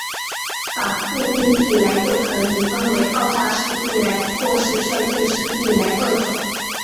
反步兵地雷又可以分为爆炸式地雷或是碎片式地雷二种。